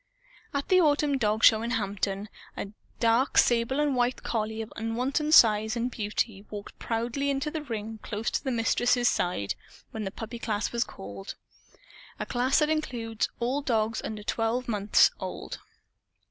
At the autumn dog show, in Hampton, a "dark sable and white" collie of unwonted size and beauty walked proudly into the ring close to the Mistress's side, when the puppy class was called a class that includes all dogs under twelve months old.